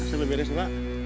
saya beri beri semua